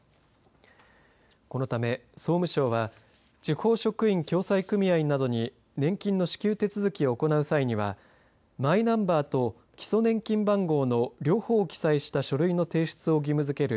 このため総務省は地方職員共済組合などに年金の支給手続きを行う際にはマイナンバーと基礎年金番号の両方を記載した書類の提出を義務づける